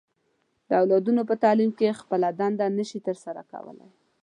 د اولادونو په تعليم کې خپله دنده نه شي سرته رسولی.